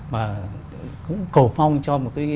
mà cũng cầu mong cho một cái